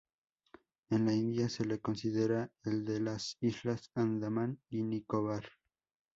En la India se lo considera el de las Islas Andamán y Nicobar.